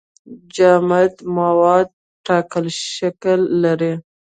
جامد مواد ټاکلی شکل لري.